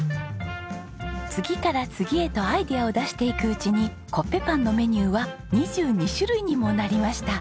次から次へとアイデアを出していくうちにコッペパンのメニューは２２種類にもなりました。